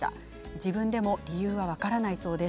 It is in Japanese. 自分でも理由は分からないそうです。